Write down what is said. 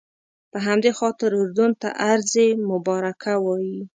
په همدې خاطر اردن ته ارض مبارکه وایي.